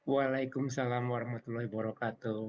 waalaikumsalam warahmatullahi wabarakatuh